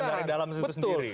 dari dalam situ sendiri